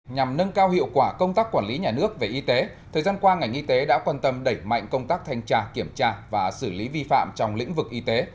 nhằm nâng cao hiệu quả công tác quản lý nhà nước về y tế thời gian qua ngành y tế đã quan tâm đẩy mạnh công tác thanh tra kiểm tra và xử lý vi phạm trong lĩnh vực y tế